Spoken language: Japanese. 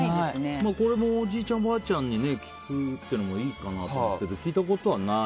おじいちゃん、おばあちゃんに聞くというのもいいかなと思いますけど聞いたことはない？